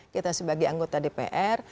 kita sebagai anggota dpr